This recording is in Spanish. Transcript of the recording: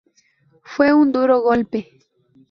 Fue un duro golpe.